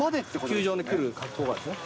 球場に来る格好がですね。